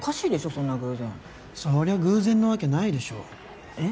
そんな偶然そりゃ偶然のわけないでしょえっ？